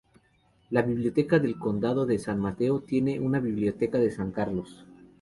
La Biblioteca del Condado de San Mateo tiene la Biblioteca de San Carlos.